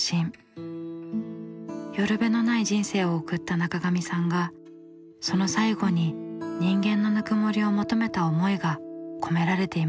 寄る辺のない人生を送った中上さんがその最後に人間のぬくもりを求めた思いが込められていました。